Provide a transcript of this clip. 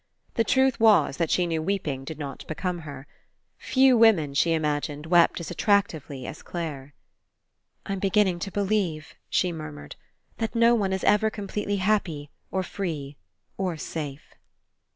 The truth was that she knew weeping did not become her. I20 RE ENCOUNTER Few women, she imagined, wept as attractively as Clare. I'^Tm beginning to believe," she mur mured, "that no one is ever completely happy, or free, or safe."